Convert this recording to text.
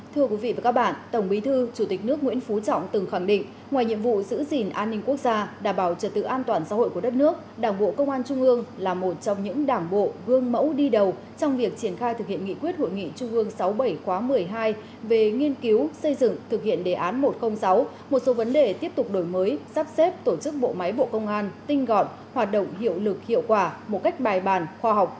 thưa quý vị và các bạn tổng bí thư chủ tịch nước nguyễn phú trọng từng khẳng định ngoài nhiệm vụ giữ gìn an ninh quốc gia đảm bảo trật tự an toàn xã hội của đất nước đảng bộ công an trung ương là một trong những đảng bộ gương mẫu đi đầu trong việc triển khai thực hiện nghị quyết hội nghị trung ương sáu bảy một mươi hai về nghiên cứu xây dựng thực hiện đề án một trăm linh sáu một số vấn đề tiếp tục đổi mới sắp xếp tổ chức bộ máy bộ công an tinh gọn hoạt động hiệu lực hiệu quả một cách bài bàn khoa học